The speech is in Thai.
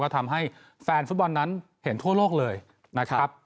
ทำให้แฟนฟุตบอลนั้นเห็นทั่วโลกเลยนะครับ